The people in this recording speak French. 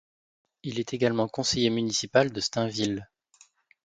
Il est également conseiller municipal de Stainville.